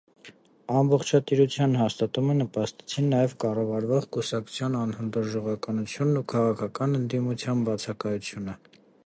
Ամբողջատիրության հաստատմանը նպաստեցին նաև կառավարող կուսակցության անհանդուրժողականությունն ու քաղաքական ընդդիմության բացակայությունը։